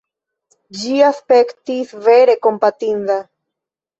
Ĝi aspektis vere kompatinda.